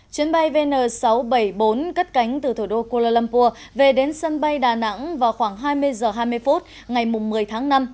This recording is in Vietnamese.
chuyến bay vn sáu trăm bảy mươi bốn cất cánh từ thủ đô kuala lumpur về đến sân bay đà nẵng vào khoảng hai mươi h hai mươi phút ngày một mươi tháng năm